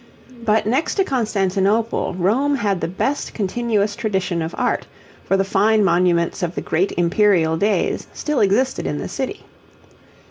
But next to Constantinople, Rome had the best continuous tradition of art, for the fine monuments of the great imperial days still existed in the city.